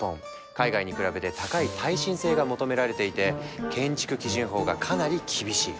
海外に比べて高い耐震性が求められていて建築基準法がかなり厳しい。